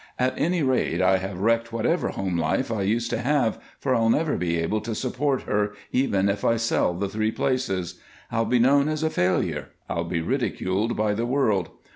At any rate, I have wrecked whatever home life I used to have, for I'll never be able to support her, even if I sell the three places. I'll be known as a failure; I'll be ridiculed by the world.